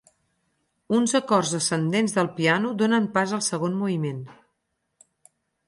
Uns acords ascendents del piano donen pas al segon moviment.